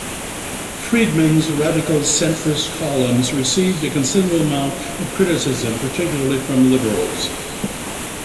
Friedman's radical-centrist columns received a considerable amount of criticism, particularly from liberals.